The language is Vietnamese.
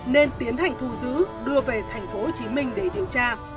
nên tiến hành thu giữ đưa về thành phố hồ chí minh để điều tra